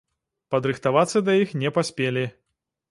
Падрыхтавацца да іх не паспелі.